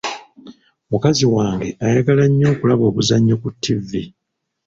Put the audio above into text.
Mukazi wange ayagala nnyo okulaba obuzannyo ku ttivi.